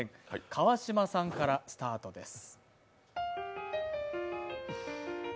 川島さんからスタートです。